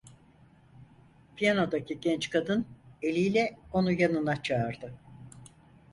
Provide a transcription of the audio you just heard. Piyanodaki genç kadın, eliyle onu yanına çağırdı.